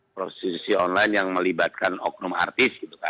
prostitusi online yang melibatkan oknum artis gitu kan